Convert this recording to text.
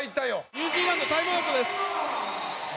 ニュージーランドタイムアウトです。